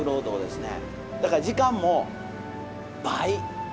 だから時間も倍。